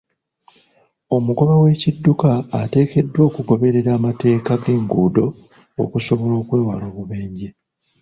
Omugoba w'ekidduka ateekeddwa okugoberera amateeka g'enguudo okusobola okwewala obubenje.